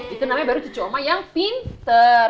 itu namanya baru cicu oma yang pinter